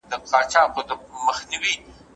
زه به سبا پاکوالي ساتم وم!!